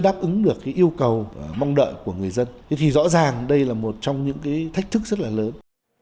đáp ứng được cái yêu cầu mong đợi của người dân thế thì rõ ràng đây là một trong những cái thách thức rất là lớn